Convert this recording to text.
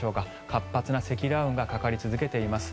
活発な積乱雲がかかり続けています。